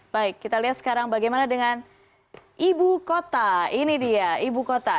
baik kita lihat sekarang bagaimana dengan ibu kota ini dia ibu kota